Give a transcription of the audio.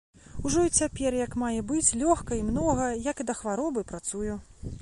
Ужо і цяпер як мае быць, лёгка і многа, як і да хваробы, працую.